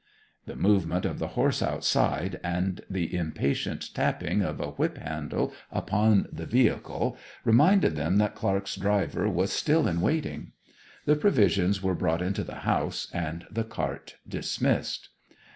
The movement of the horse outside, and the impatient tapping of a whip handle upon the vehicle reminded them that Clark's driver was still in waiting. The provisions were brought into the house, and the cart dismissed.